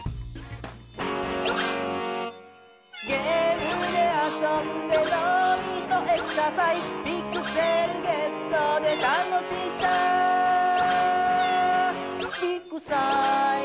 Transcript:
「ゲームであそんでのうみそエクササイズ」「ピクセルゲットで楽しさビッグサイズ」